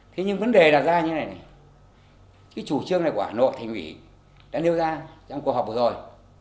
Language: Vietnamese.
thế nhưng vấn đề đặt ra như thế này này cái chủ trương này của hà nội thành ủy đã nêu ra trong cuộc họp vừa rồi